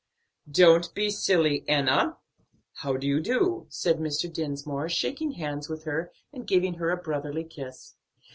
"Don't be silly, Enna. How do you do?" said Mr. Dinsmore, shaking hands with her and giving her a brotherly kiss.